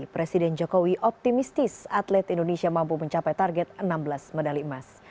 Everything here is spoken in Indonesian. presiden jokowi optimistis atlet indonesia mampu mencapai target enam belas medali emas